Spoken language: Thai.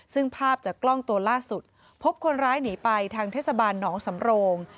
ซึ่งภาพจากกล้องตัวล่าสุดพบคนร้ายหนีไปทางเทศบาลหนองสำโรง